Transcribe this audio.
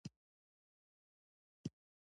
خولۍ د نخي یا وړۍ نه جوړیږي.